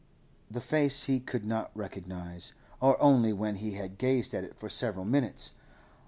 The face he could not recognise, or only when he had gazed at it for several minutes.